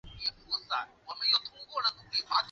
明朝洪武十三年改为屯田清吏司。